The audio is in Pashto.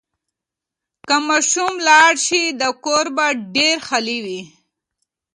که ماشوم لاړ شي، دا کور به ډېر خالي وي.